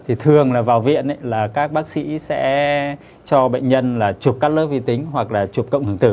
thì thường là vào viện là các bác sĩ sẽ cho bệnh nhân là chụp cắt lớp vi tính hoặc là chụp cộng hưởng tử